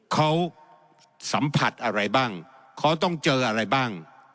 เขาสัมผัสอะไรบ้างเขาต้องเจออะไรบ้าง